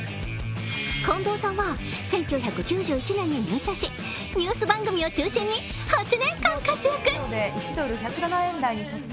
近藤さんは１９９１年に入社しニュース番組を中心に８年間活躍。